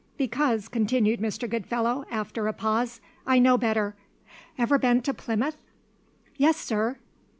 "Because," continued Mr. Goodfellow, after a pause, "I know better. Ever been to Plymouth?" "Yes, sir."